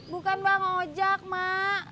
bukan bang ojak mak